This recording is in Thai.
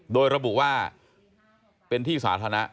โดยระบุว่าเป็นที่สาธารณะ